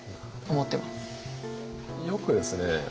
よくですね